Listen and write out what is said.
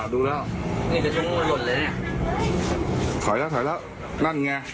เดี๋ยวเอาโดนลวด